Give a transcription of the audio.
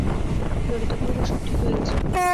ললিতা কহিল, সব ঠিক হয়ে গেছে।